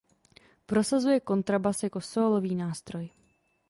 Prosazuje kontrabas jako sólový nástroj.